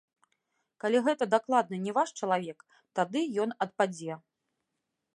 Калі гэта дакладна не ваш чалавек, тады ён адпадзе.